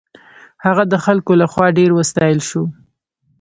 هغه د خلکو له خوا ډېر وستایل شو.